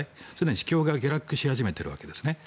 市況が下落し始めているわけですね。